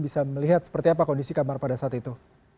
bisa melihat seperti apa kondisi kamar pada saat itu